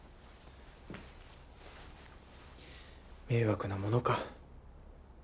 迷惑なものか。